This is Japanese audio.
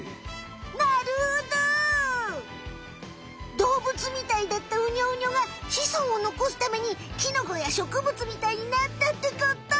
どうぶつみたいだったウニョウニョが子孫をのこすためにキノコや植物みたいになったってこと？